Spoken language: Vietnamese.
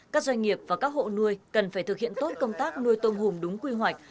các doanh nghiệp và các hộ nuôi cần phải thực hiện tốt công tác nuôi tôm hùm đúng quy hoạch